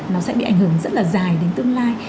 nó sẽ bị ảnh hưởng rất là dài đến tương lai